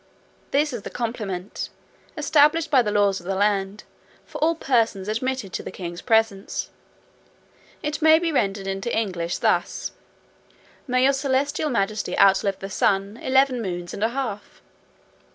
This is the compliment, established by the laws of the land, for all persons admitted to the king's presence. It may be rendered into English thus: "May your celestial majesty outlive the sun, eleven moons and a half!"